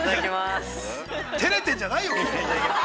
◆照れてんじゃないよ。